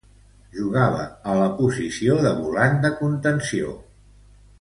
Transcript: Jugava a la posició de volant de contenció.